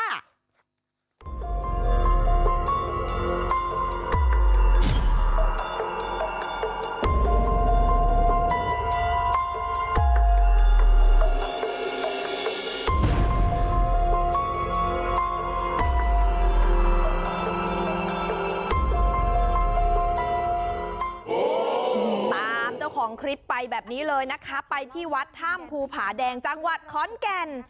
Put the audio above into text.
ตามเจ้าของคลิปไปแบบนี้เลยนะคะไปที่วัดถ้ำภูผาแดงจังหวัดขอนแก่น